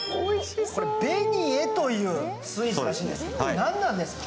これ、ベニエというスイーツらしいですが、何なんですか？